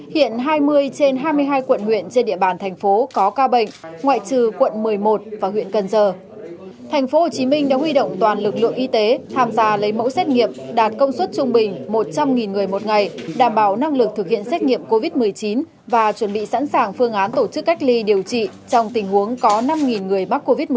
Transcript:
hành phố hồ chí minh đã huy động toàn lực lượng y tế tham gia lấy mẫu xét nghiệm đạt công suất trung bình một trăm linh người một ngày đảm bảo năng lực thực hiện xét nghiệm covid một mươi chín và chuẩn bị sẵn sàng phương án tổ chức cách ly điều trị trong tình huống có năm người mắc covid một mươi chín